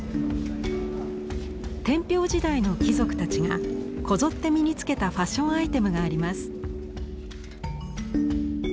天平時代の貴族たちがこぞって身に着けたファッションアイテムがあります。